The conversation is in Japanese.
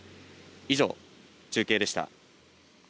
以上、中継でした。